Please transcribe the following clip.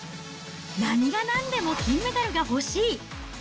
なにがなんでも金メダルが欲しい！